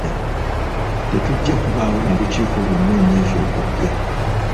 Tetujja kubaawo na lukiiko lwonna omwezi ogujja.